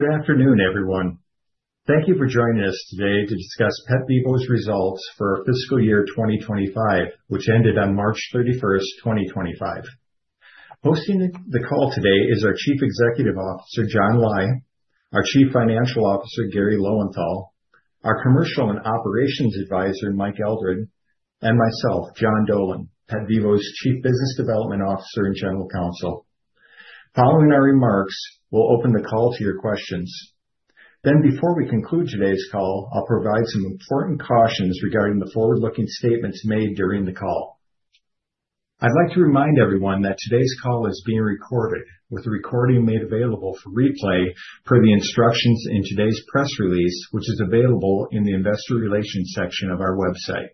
Good afternoon, everyone. Thank you for joining us today to discuss PetVivo's results for fiscal year 2025, which ended on March 31, 2025. Hosting the call today is our Chief Executive Officer, John Lai, our Chief Financial Officer, Garry Lowenthal, our Commercial and Operations Advisor, Mike Eldred, and myself, John Dolan, PetVivo's Chief Business Development Officer and General Counsel. Following our remarks, we will open the call to your questions. Before we conclude today's call, I will provide some important cautions regarding the forward-looking statements made during the call. I would like to remind everyone that today's call is being recorded, with the recording made available for replay per the instructions in today's press release, which is available in the Investor Relations section of our website.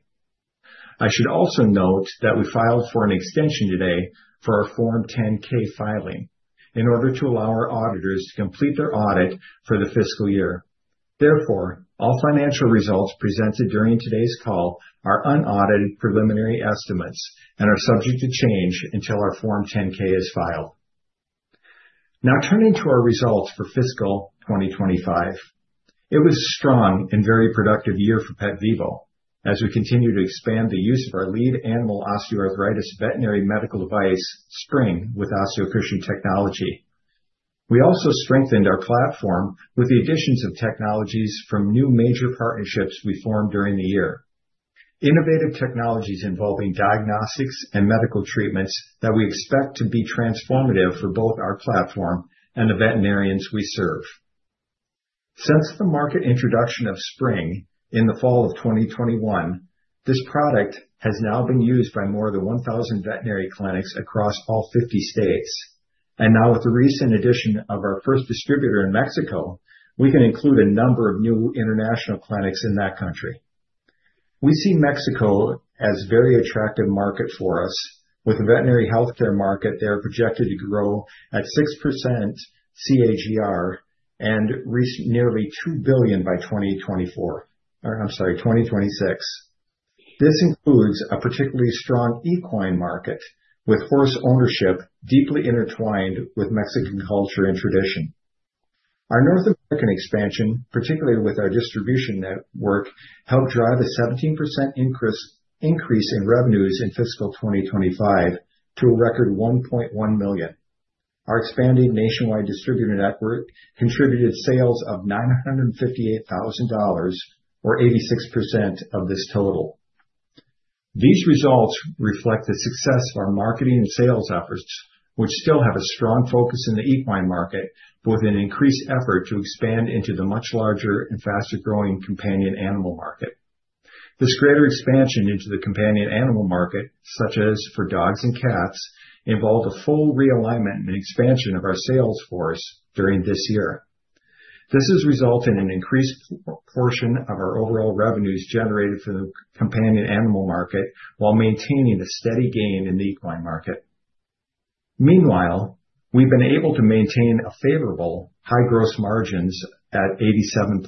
I should also note that we filed for an extension today for our Form 10-K filing in order to allow our auditors to complete their audit for the fiscal year. Therefore, all financial results presented during today's call are unaudited preliminary estimates and are subject to change until our Form 10-K is filed. Now, turning to our results for fiscal 2025, it was a strong and very productive year for PetVivo as we continue to expand the use of our lead animal osteoarthritis veterinary medical device Spryng with osteoefficient technology. We also strengthened our platform with the additions of technologies from new major partnerships we formed during the year, innovative technologies involving diagnostics and medical treatments that we expect to be transformative for both our platform and the veterinarians we serve. Since the market introduction of Spryng in the fall of 2021, this product has now been used by more than 1,000 veterinary clinics across all 50 states. With the recent addition of our first distributor in Mexico, we can include a number of new international clinics in that country. We see Mexico as a very attractive market for us, with the veterinary healthcare market there projected to grow at 6% CAGR and reach nearly $2 billion by 2024—or I'm sorry, 2026. This includes a particularly strong equine market, with horse ownership deeply intertwined with Mexican culture and tradition. Our North American expansion, particularly with our distribution network, helped drive a 17% increase in revenues in fiscal 2025 to a record $1.1 million. Our expanding nationwide distributor network contributed sales of $958,000, or 86% of this total. These results reflect the success of our marketing and sales efforts, which still have a strong focus in the equine market, but with an increased effort to expand into the much larger and faster-growing companion animal market. This greater expansion into the companion animal market, such as for dogs and cats, involved a full realignment and expansion of our sales force during this year. This has resulted in an increased portion of our overall revenues generated from the companion animal market while maintaining a steady gain in the equine market. Meanwhile, we've been able to maintain favorable high gross margins at 87.8%.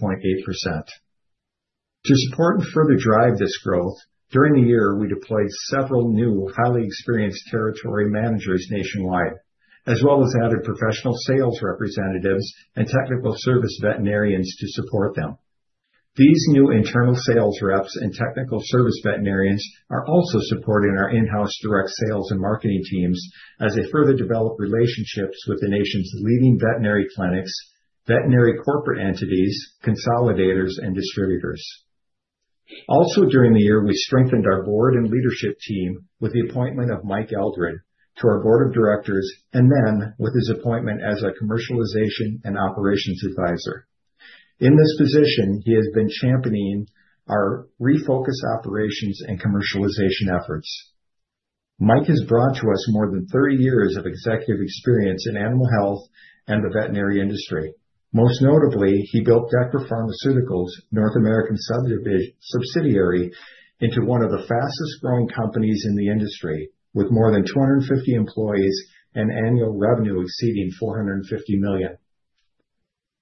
To support and further drive this growth, during the year, we deployed several new highly experienced territory managers nationwide, as well as added professional sales representatives and technical service veterinarians to support them. These new internal sales reps and technical service veterinarians are also supporting our in-house direct sales and marketing teams as they further develop relationships with the nation's leading veterinary clinics, veterinary corporate entities, consolidators, and distributors. Also, during the year, we strengthened our board and leadership team with the appointment of Mike Eldred to our board of directors and then with his appointment as a Commercialization and Operations Advisor. In this position, he has been championing our refocus operations and commercialization efforts. Mike has brought to us more than 30 years of executive experience in animal health and the veterinary industry. Most notably, he built Decker Pharmaceuticals, North American subsidiary, into one of the fastest-growing companies in the industry, with more than 250 employees and annual revenue exceeding $450 million.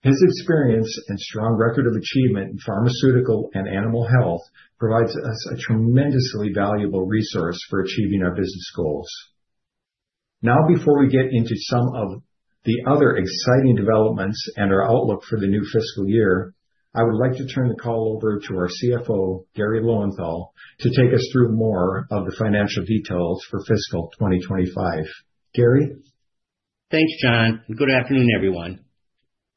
His experience and strong record of achievement in pharmaceutical and animal health provides us a tremendously valuable resource for achieving our business goals. Now, before we get into some of the other exciting developments and our outlook for the new fiscal year, I would like to turn the call over to our CFO, Garry Lowenthal, to take us through more of the financial details for fiscal 2025. Garry? Thank you, John, and good afternoon, everyone.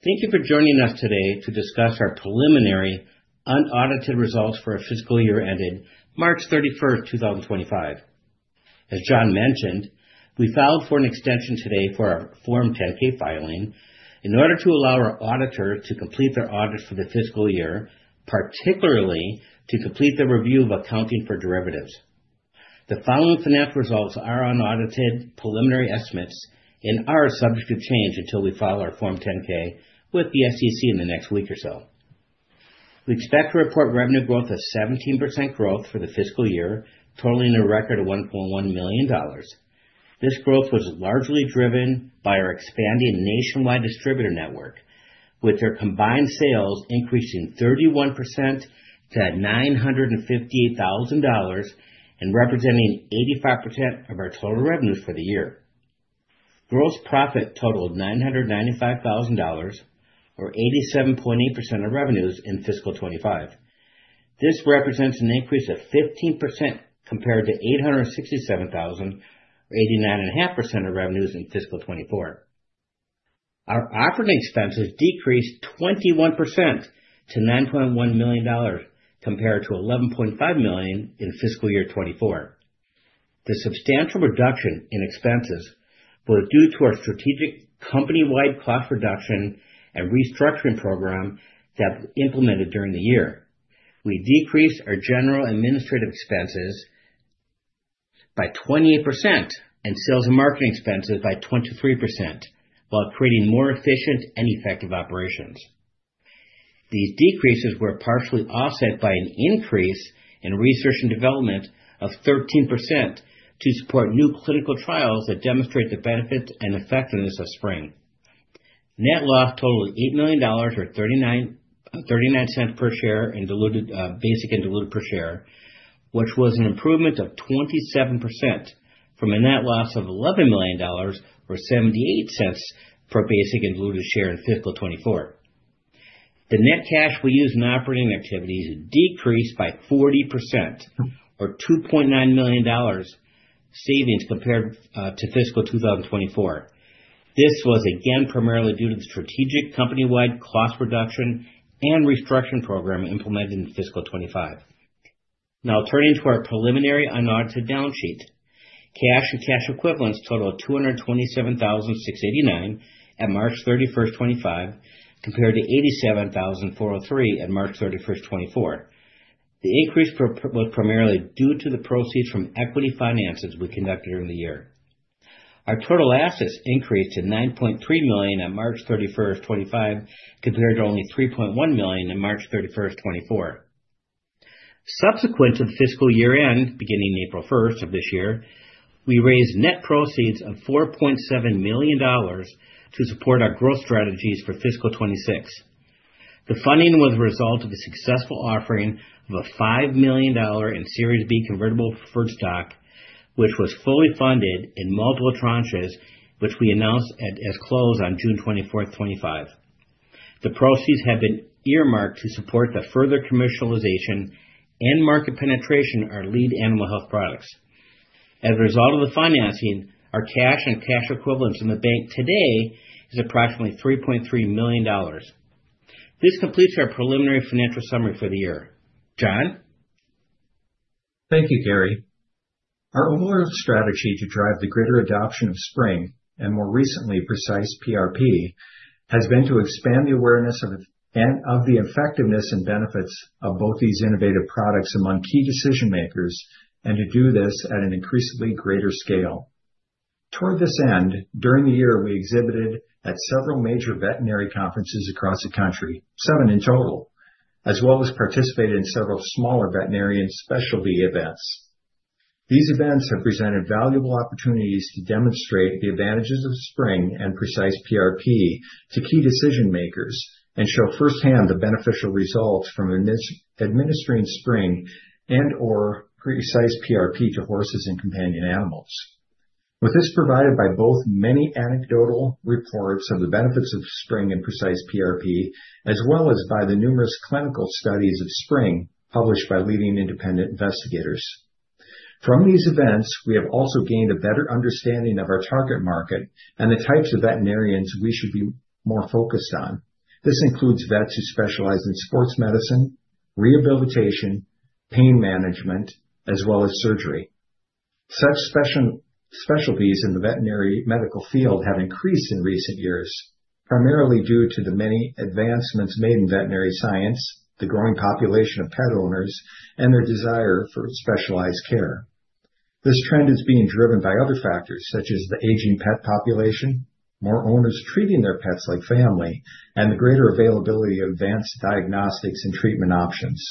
Thank you for joining us today to discuss our preliminary unaudited results for our fiscal year ended March 31, 2025. As John mentioned, we filed for an extension today for our Form 10-K filing in order to allow our auditor to complete their audits for the fiscal year, particularly to complete the review of accounting for derivatives. The following financial results are unaudited preliminary estimates and are subject to change until we file our Form 10-K with the SEC in the next week or so. We expect to report revenue growth of 17% for the fiscal year, totaling a record of $1.1 million. This growth was largely driven by our expanding nationwide distributor network, with our combined sales increasing 31% to $958,000 and representing 85% of our total revenues for the year. Gross profit totaled $995,000, or 87.8% of revenues in fiscal 2025. This represents an increase of 15% compared to $867,000, or 89.5% of revenues in fiscal 2024. Our operating expenses decreased 21% to $9.1 million compared to $11.5 million in fiscal year 2024. The substantial reduction in expenses was due to our strategic company-wide cost reduction and restructuring program that was implemented during the year. We decreased our general administrative expenses by 28% and sales and marketing expenses by 23%, while creating more efficient and effective operations. These decreases were partially offset by an increase in research and development of 13% to support new clinical trials that demonstrate the benefits and effectiveness of Spryng. Net loss totaled $8 million, or $0.39 per share in basic and diluted per share, which was an improvement of 27% from a net loss of $11 million, or $0.78 per basic and diluted share in fiscal 2024. The net cash we used in operating activities decreased by 40%, or $2.9 million savings compared to fiscal 2024. This was again primarily due to the strategic company-wide cost reduction and restructuring program implemented in fiscal 2025. Now, turning to our preliminary unaudited balance sheet, cash and cash equivalents totaled $227,689 at March 31, 2025, compared to $87,403 at March 31, 2024. The increase was primarily due to the proceeds from equity finances we conducted during the year. Our total assets increased to $9.3 million at March 31, 2025, compared to only $3.1 million at March 31, 2024. Subsequent to the fiscal year-end, beginning April 1 of this year, we raised net proceeds of $4.7 million to support our growth strategies for fiscal 2026. The funding was a result of a successful offering of $5 million in Series B convertible preferred stock, which was fully funded in multiple tranches, which we announced at its close on June 24, 2025. The proceeds have been earmarked to support the further commercialization and market penetration of our lead animal health products. As a result of the financing, our cash and cash equivalents in the bank today is approximately $3.3 million. This completes our preliminary financial summary for the year. John? Thank you, Garry. Our overall strategy to drive the greater adoption of Spryng and, more recently, Precise PRP has been to expand the awareness of the effectiveness and benefits of both these innovative products among key decision-makers and to do this at an increasingly greater scale. Toward this end, during the year, we exhibited at several major veterinary conferences across the country, seven in total, as well as participated in several smaller veterinarian specialty events. These events have presented valuable opportunities to demonstrate the advantages of Spryng and Precise PRP to key decision-makers and show firsthand the beneficial results from administering Spryng and/or Precise PRP to horses and companion animals. This is provided by both many anecdotal reports of the benefits of Spryng and Precise PRP, as well as by the numerous clinical studies of Spryng published by leading independent investigators. From these events, we have also gained a better understanding of our target market and the types of veterinarians we should be more focused on. This includes vets who specialize in sports medicine, rehabilitation, pain management, as well as surgery. Such specialties in the veterinary medical field have increased in recent years, primarily due to the many advancements made in veterinary science, the growing population of pet owners, and their desire for specialized care. This trend is being driven by other factors, such as the aging pet population, more owners treating their pets like family, and the greater availability of advanced diagnostics and treatment options.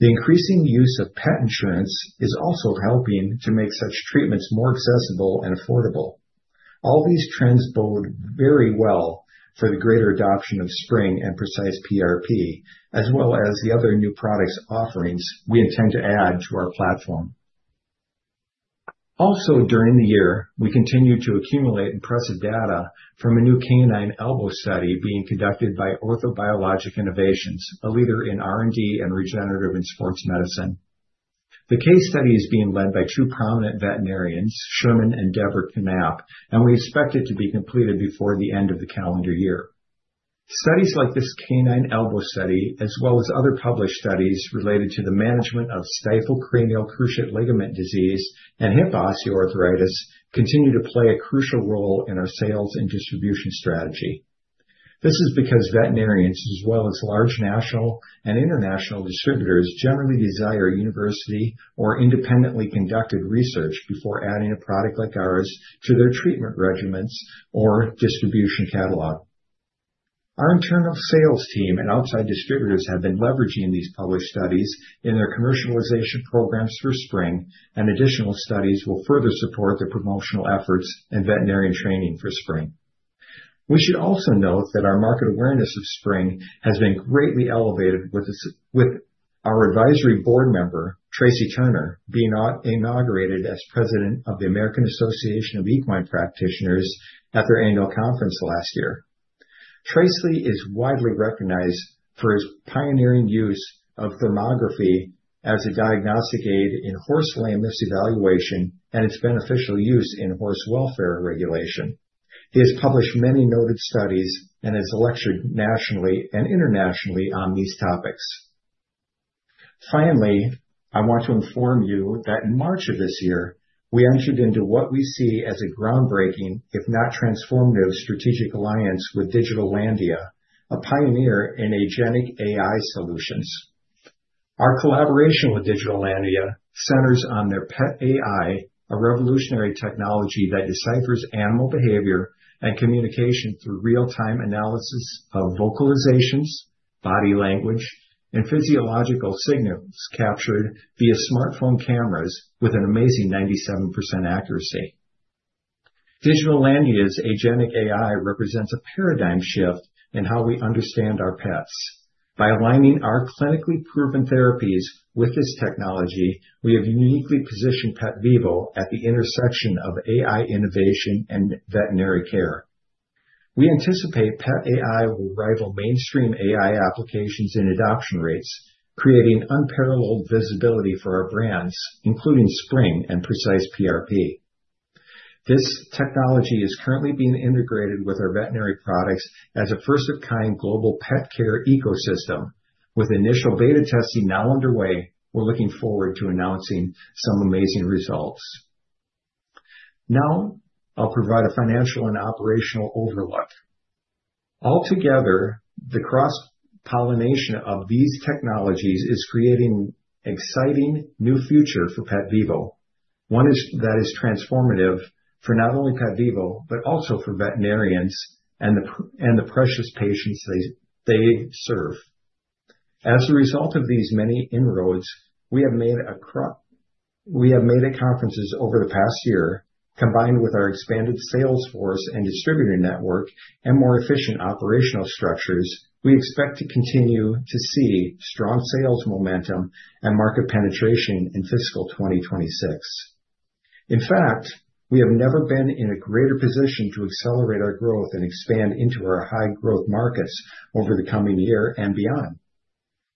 The increasing use of pet insurance is also helping to make such treatments more accessible and affordable. All these trends bode very well for the greater adoption of Spryng and Precise PRP, as well as the other new product offerings we intend to add to our platform. Also, during the year, we continue to accumulate impressive data from a new canine elbow study being conducted by Orthobiologic Innovations, a leader in R&D and regenerative and sports medicine. The case study is being led by two prominent veterinarians, Sherman Knapp and Deborah Knapp, and we expect it to be completed before the end of the calendar year. Studies like this canine elbow study, as well as other published studies related to the management of stifle cranial cruciate ligament disease and hip osteoarthritis, continue to play a crucial role in our sales and distribution strategy. This is because veterinarians, as well as large national and international distributors, generally desire university or independently conducted research before adding a product like ours to their treatment regimens or distribution catalog. Our internal sales team and outside distributors have been leveraging these published studies in their commercialization programs for Spryng, and additional studies will further support the promotional efforts and veterinarian training for Spryng. We should also note that our market awareness of Spryng has been greatly elevated with our advisory board member, Tracy Turner, being inaugurated as president of the American Association of Equine Practitioners at their annual conference last year. Tracy is widely recognized for his pioneering use of thermography as a diagnostic aid in horse lameness evaluation and its beneficial use in horse welfare regulation. He has published many noted studies and has lectured nationally and internationally on these topics. Finally, I want to inform you that in March of this year, we entered into what we see as a groundbreaking, if not transformative, strategic alliance with Digital Landia, a pioneer in agentic AI solutions. Our collaboration with Digital Landia centers on their pet AI, a revolutionary technology that deciphers animal behavior and communication through real-time analysis of vocalizations, body language, and physiological signals captured via smartphone cameras with an amazing 97% accuracy. Digital Landia's agentic AI represents a paradigm shift in how we understand our pets. By aligning our clinically proven therapies with this technology, we have uniquely positioned PetVivo at the intersection of AI innovation and veterinary care. We anticipate pet AI will rival mainstream AI applications in adoption rates, creating unparalleled visibility for our brands, including Spryng and Precise PRP. This technology is currently being integrated with our veterinary products as a first-of-kind global pet care ecosystem. With initial beta testing now underway, we're looking forward to announcing some amazing results. Now, I'll provide a financial and operational overlook. Altogether, the cross-pollination of these technologies is creating an exciting new future for PetVivo, one that is transformative for not only PetVivo, but also for veterinarians and the precious patients they serve. As a result of these many inroads, we have made a conference over the past year. Combined with our expanded sales force and distributor network and more efficient operational structures, we expect to continue to see strong sales momentum and market penetration in fiscal 2026. In fact, we have never been in a greater position to accelerate our growth and expand into our high-growth markets over the coming year and beyond.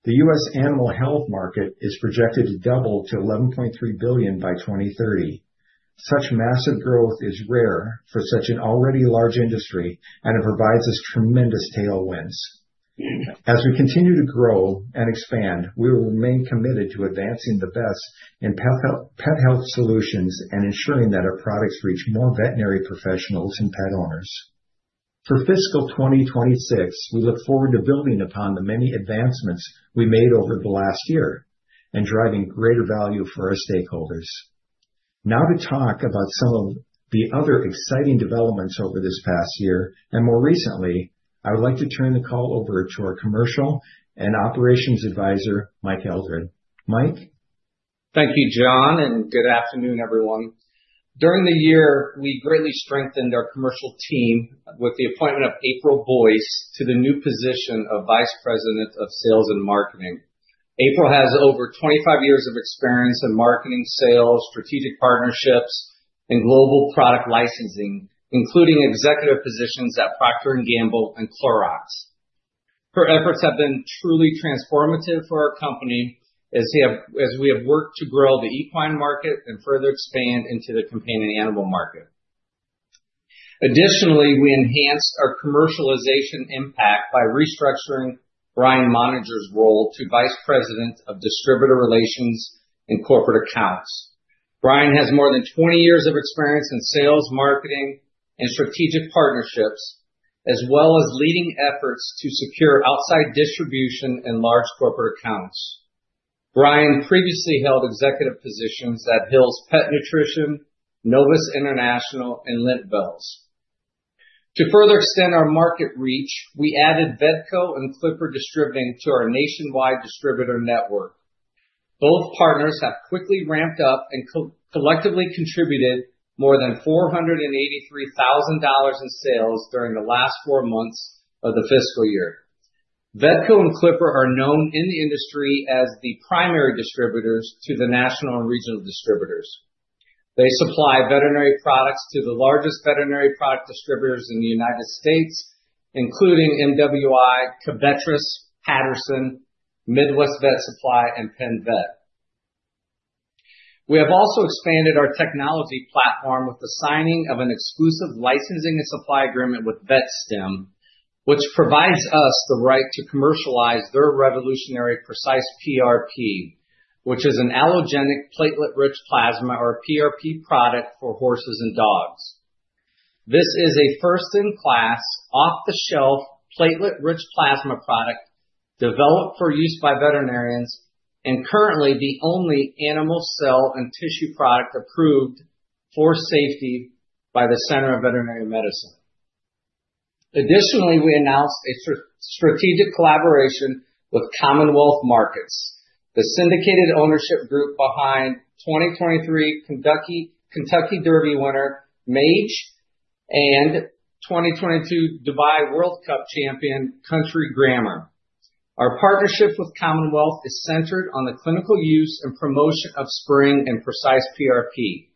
The U.S. animal health market is projected to double to $11.3 billion by 2030. Such massive growth is rare for such an already large industry, and it provides us tremendous tailwinds. As we continue to grow and expand, we will remain committed to advancing the best in pet health solutions and ensuring that our products reach more veterinary professionals and pet owners. For fiscal 2026, we look forward to building upon the many advancements we made over the last year and driving greater value for our stakeholders. Now to talk about some of the other exciting developments over this past year and more recently, I would like to turn the call over to our Commercial and Operations Advisor, Mike Eldred. Mike. Thank you, John, and good afternoon, everyone. During the year, we greatly strengthened our commercial team with the appointment of April Boyce to the new position of Vice President of Sales and Marketing. April has over 25 years of experience in marketing, sales, strategic partnerships, and global product licensing, including executive positions at Procter & Gamble and Clorox. Her efforts have been truly transformative for our company as we have worked to grow the equine market and further expand into the companion animal market. Additionally, we enhanced our commercialization impact by restructuring Brian Monager's role to Vice President of Distributor Relations and Corporate Accounts. Brian has more than 20 years of experience in sales, marketing, and strategic partnerships, as well as leading efforts to secure outside distribution and large corporate accounts. Brian previously held executive positions at Hill's Pet Nutrition, Novus International, and Lint Bells. To further extend our market reach, we added Vetco and Clipper Distributing to our nationwide distributor network. Both partners have quickly ramped up and collectively contributed more than $483,000 in sales during the last four months of the fiscal year. Vetco and Clipper are known in the industry as the primary distributors to the national and regional distributors. They supply veterinary products to the largest veterinary product distributors in the United States, including MWI, Covetrus, Patterson, Midwest Vet Supply, and Penn Veterinary Supply. We have also expanded our technology platform with the signing of an exclusive licensing and supply agreement with VetSTEM, which provides us the right to commercialize their revolutionary Precise PRP, which is an allogenic platelet-rich plasma or PRP product for horses and dogs. This is a first-in-class, off-the-shelf platelet-rich plasma product developed for use by veterinarians and currently the only animal cell and tissue product approved for safety by the Center of Veterinary Medicine. Additionally, we announced a strategic collaboration with Commonwealth Markets, the syndicated ownership group behind 2023 Kentucky Derby winner Mage and 2022 Dubai World Cup champion, Country Grammar. Our partnership with Commonwealth is centered on the clinical use and promotion of Spryng and Precise PRP.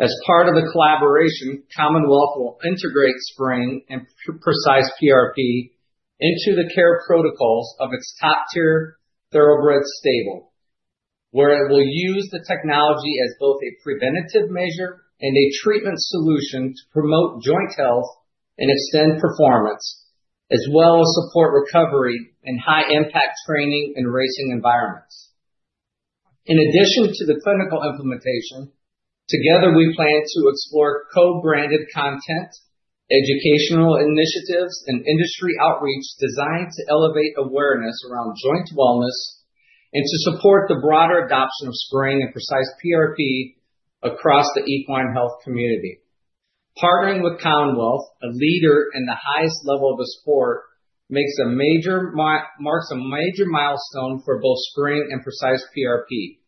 As part of the collaboration, Commonwealth will integrate Spryng and Precise PRP into the care protocols of its top-tier thoroughbred stable, where it will use the technology as both a preventative measure and a treatment solution to promote joint health and extend performance, as well as support recovery and high-impact training and racing environments. In addition to the clinical implementation, together, we plan to explore co-branded content, educational initiatives, and industry outreach designed to elevate awareness around joint wellness and to support the broader adoption of Spryng and Precise PRP across the equine health community. Partnering with Commonwealth, a leader in the highest level of the sport, marks a major milestone for both Spryng and Precise PRP.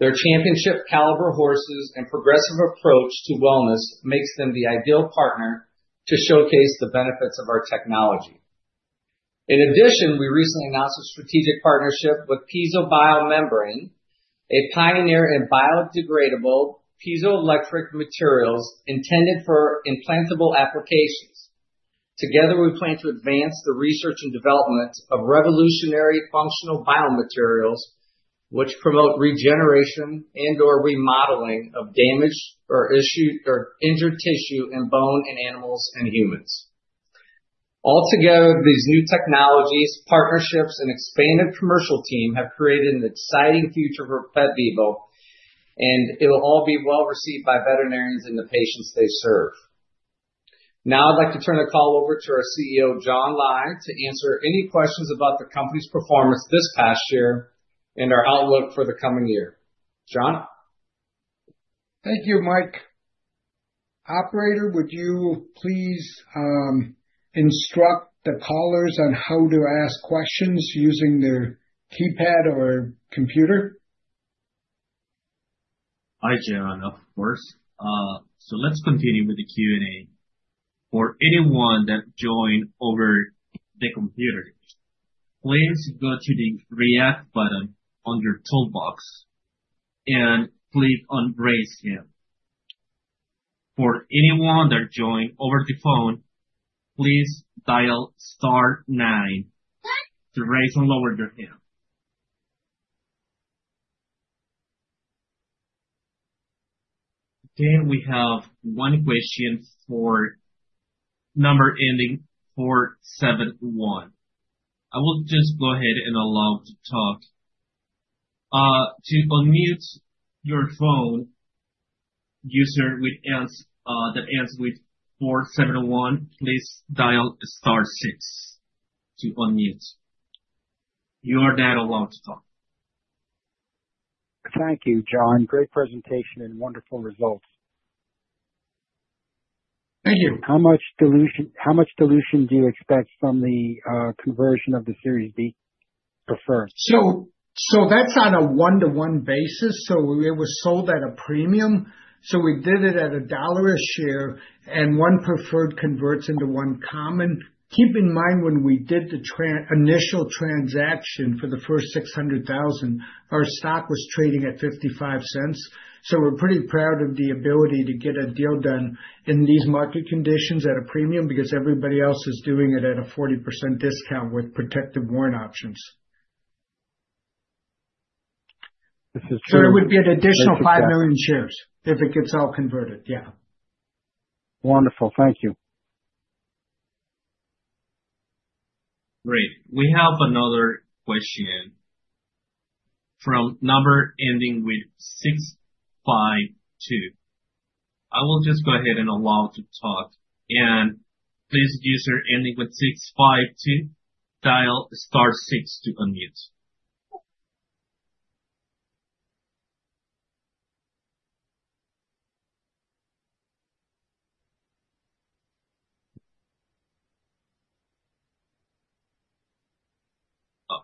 Their championship-caliber horses and progressive approach to wellness make them the ideal partner to showcase the benefits of our technology. In addition, we recently announced a strategic partnership with PiezoBio Membrane, a pioneer in biodegradable piezoelectric materials intended for implantable applications. Together, we plan to advance the research and development of revolutionary functional biomaterials, which promote regeneration and/or remodeling of damaged or injured tissue and bone in animals and humans. Altogether, these new technologies, partnerships, and expanded commercial team have created an exciting future for PetVivo, and it will all be well received by veterinarians and the patients they serve. Now, I'd like to turn the call over to our CEO, John Lai, to answer any questions about the company's performance this past year and our outlook for the coming year. John. Thank you, Mike. Operator, would you please instruct the callers on how to ask questions using their keypad or computer? Hi, John, of course. Let's continue with the Q&A. For anyone that joined over the computer, please go to the React button on your toolbox and click on Raise Hand. For anyone that joined over the phone, please dial Star 9 to raise and lower your hand. We have one question for number ending 471. I will just go ahead and allow to talk. To unmute, phone user that ends with 471, please dial Star 6 to unmute. You are now allowed to talk. Thank you, John. Great presentation and wonderful results. Thank you. How much dilution do you expect from the conversion of the Series B to fertilizer? That is on a one-to-one basis. It was sold at a premium. We did it at $1 a share, and one preferred converts into one common. Keep in mind, when we did the initial transaction for the first 600,000, our stock was trading at 55 cents. We are pretty proud of the ability to get a deal done in these market conditions at a premium because everybody else is doing it at a 40% discount with protective warrant options. This is true. It would be an additional 5 million shares if it gets all converted. Yeah. Wonderful. Thank you. Great. We have another question from number ending with 652. I will just go ahead and allow to talk. This user ending with 652, dial Star 6 to unmute.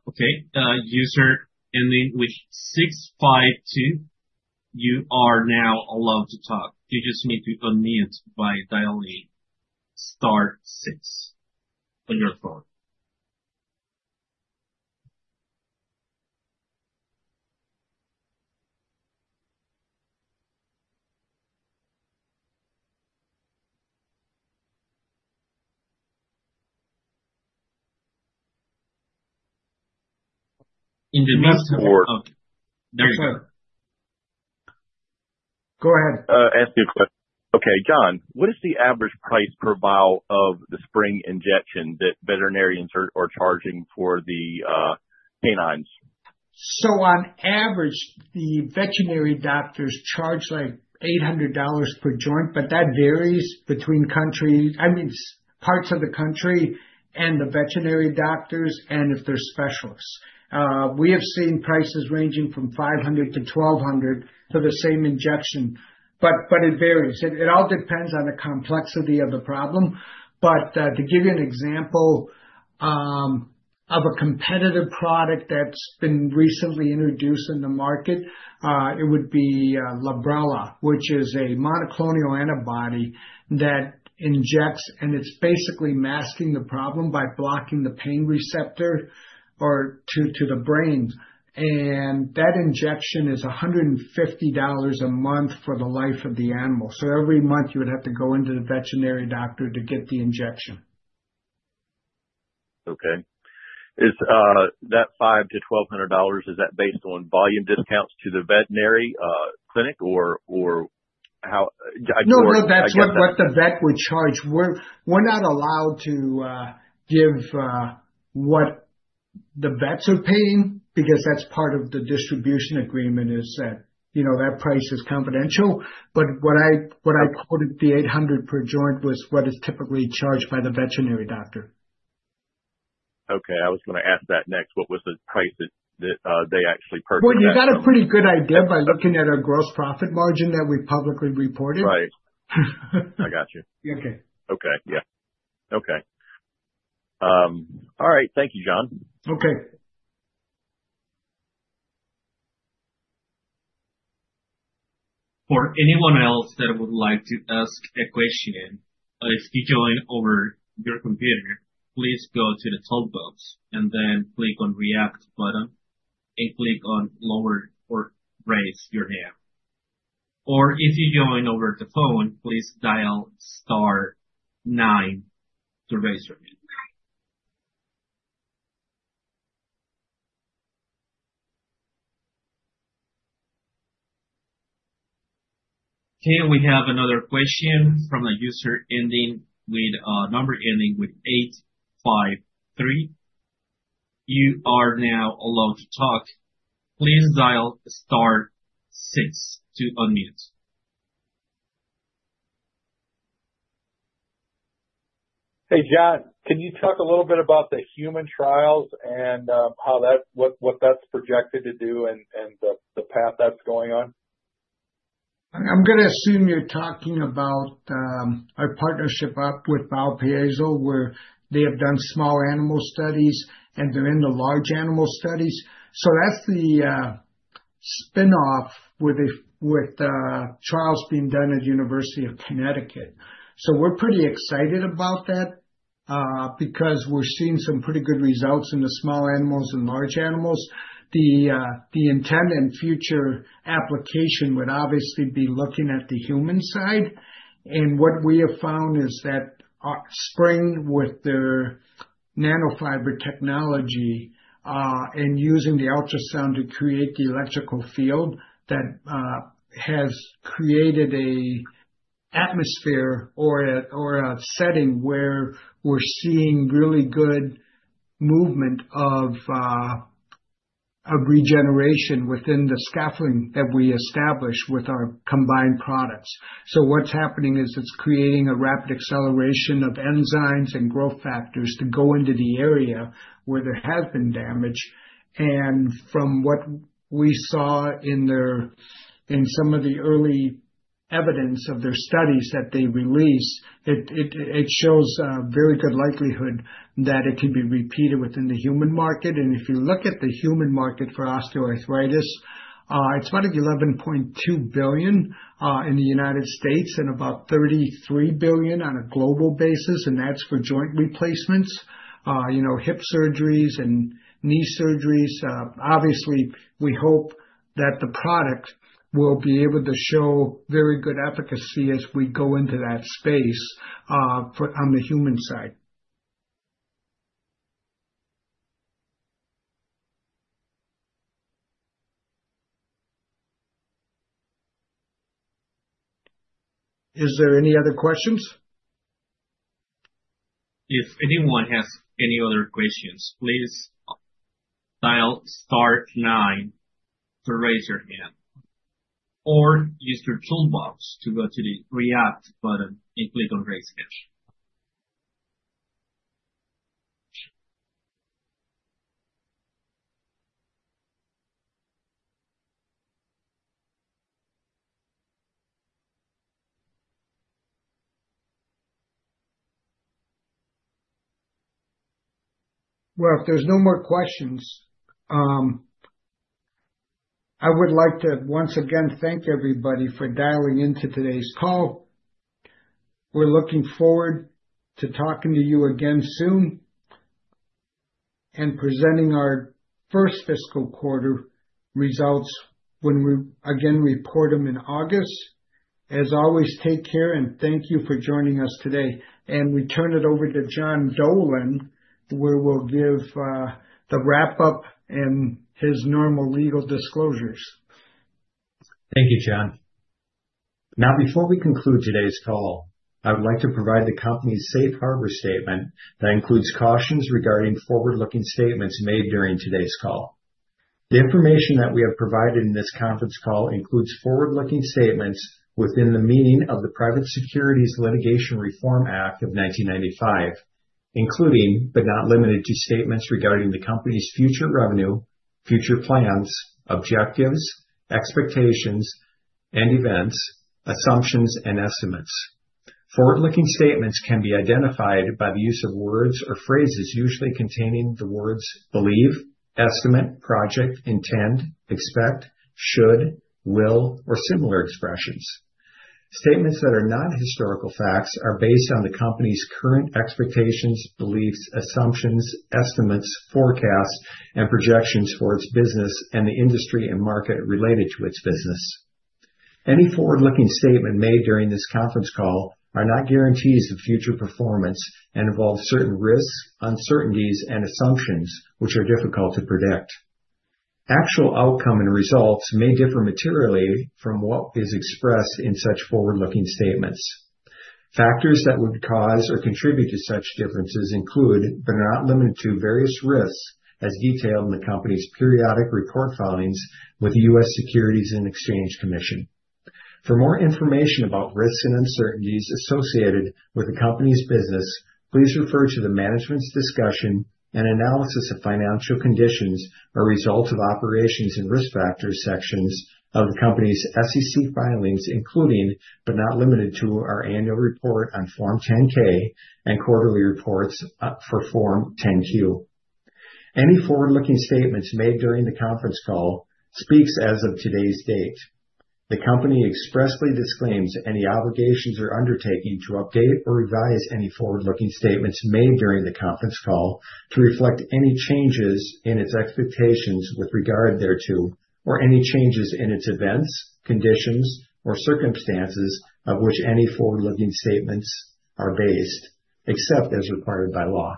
Okay. User ending with 652, you are now allowed to talk. You just need to unmute by dialing Star 6 on your phone. In the next four. Okay. There you go. Go ahead. Ask you a question. Okay. John, what is the average price per vial of the Spryng injection that veterinarians are charging for the canines? On average, the veterinary doctors charge like $800 per joint, but that varies between parts of the country and the veterinary doctors and if they're specialists. We have seen prices ranging from $500-$1,200 for the same injection, but it varies. It all depends on the complexity of the problem. To give you an example of a competitive product that's been recently introduced in the market, it would be Librela, which is a monoclonal antibody that injects, and it's basically masking the problem by blocking the pain receptor to the brain. That injection is $150 a month for the life of the animal. Every month, you would have to go into the veterinary doctor to get the injection. Okay. Is that $5-$1,200, is that based on volume discounts to the veterinary clinic, or how? No, no, that's what the vet would charge. We're not allowed to give what the vets are paying because that's part of the distribution agreement is that that price is confidential. What I quoted, the $800 per joint, was what is typically charged by the veterinary doctor. Okay. I was going to ask that next. What was the price that they actually purchased? You got a pretty good idea by looking at our gross profit margin that we publicly reported. Right. I got you. Okay. Okay. Yeah. Okay. All right. Thank you, John. Okay. For anyone else that would like to ask a question, if you join over your computer, please go to the toolbox and then click on the React button and click on Lower or Raise Your Hand. Or if you join over the phone, please dial Star 9 to raise your hand. Okay. We have another question from a user with a number ending with 853. You are now allowed to talk. Please dial Star 6 to unmute. Hey, John, can you talk a little bit about the human trials and what that's projected to do and the path that's going on? I'm going to assume you're talking about our partnership with BioPiezo, where they have done small animal studies and they're into large animal studies. That's the spinoff with trials being done at the University of Connecticut. We're pretty excited about that because we're seeing some pretty good results in the small animals and large animals. The intended future application would obviously be looking at the human side. What we have found is that Spryng, with their nanofiber technology and using the ultrasound to create the electrical field, has created an atmosphere or a setting where we're seeing really good movement of regeneration within the scaffolding that we established with our combined products. What's happening is it's creating a rapid acceleration of enzymes and growth factors to go into the area where there has been damage. From what we saw in some of the early evidence of their studies that they released, it shows a very good likelihood that it can be repeated within the human market. If you look at the human market for osteoarthritis, it's about $11.2 billion in the United States and about $33 billion on a global basis, and that's for joint replacements, hip surgeries, and knee surgeries. Obviously, we hope that the product will be able to show very good efficacy as we go into that space on the human side. Is there any other questions? If anyone has any other questions, please dial Star 9 to raise your hand or use your toolbox to go to the React button and click on Raise Hand. If there's no more questions, I would like to once again thank everybody for dialing into today's call. We're looking forward to talking to you again soon and presenting our first fiscal quarter results when we again report them in August. As always, take care and thank you for joining us today. We turn it over to John Dolan, where we'll give the wrap-up and his normal legal disclosures. Thank you, John. Now, before we conclude today's call, I would like to provide the company's safe harbor statement that includes cautions regarding forward-looking statements made during today's call. The information that we have provided in this conference call includes forward-looking statements within the meaning of the Private Securities Litigation Reform Act of 1995, including, but not limited to, statements regarding the company's future revenue, future plans, objectives, expectations, and events, assumptions, and estimates. Forward-looking statements can be identified by the use of words or phrases usually containing the words believe, estimate, project, intend, expect, should, will, or similar expressions. Statements that are not historical facts are based on the company's current expectations, beliefs, assumptions, estimates, forecasts, and projections for its business and the industry and market related to its business. Any forward-looking statement made during this conference call are not guarantees of future performance and involve certain risks, uncertainties, and assumptions, which are difficult to predict. Actual outcome and results may differ materially from what is expressed in such forward-looking statements. Factors that would cause or contribute to such differences include, but are not limited to, various risks as detailed in the company's periodic report filings with the U.S. Securities and Exchange Commission. For more information about risks and uncertainties associated with the company's business, please refer to the management's discussion and analysis of financial conditions or results of operations and risk factors sections of the company's SEC filings, including, but not limited to, our annual report on Form 10-K and quarterly reports for Form 10-Q. Any forward-looking statements made during the conference call speaks as of today's date. The company expressly disclaims any obligations or undertaking to update or revise any forward-looking statements made during the conference call to reflect any changes in its expectations with regard thereto, or any changes in its events, conditions, or circumstances of which any forward-looking statements are based, except as required by law.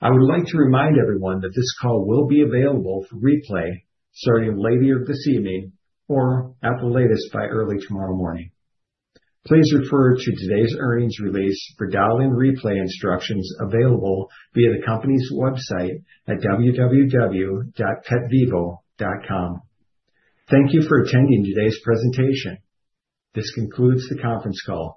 I would like to remind everyone that this call will be available for replay starting later this evening or at the latest by early tomorrow morning. Please refer to today's earnings release for dial-in replay instructions available via the company's website at www.petvivo.com. Thank you for attending today's presentation. This concludes the conference call.